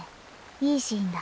いいシーンだ。